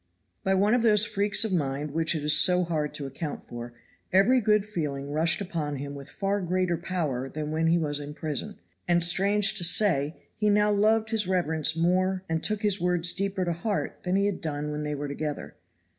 By one of those freaks of mind which it is so hard to account for, every good feeling rushed upon him with far greater power than when he was in Prison, and, strange to say, he now loved his reverence more and took his words deeper to heart than he had done when they were together.